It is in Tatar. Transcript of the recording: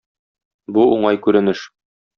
Бу уңай күренеш.